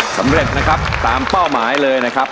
สำเร็จนะครับตามเป้าหมายเลยนะครับ